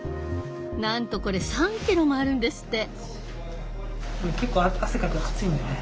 なんとこれ３キロもあるんですって。